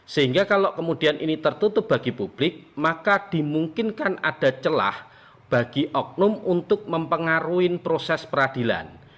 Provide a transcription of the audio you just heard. sehingga kalau kemudian ini tertutup bagi publik maka dimungkinkan ada celah bagi oknum untuk mempengaruhi proses peradilan